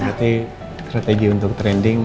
berarti strategi untuk trending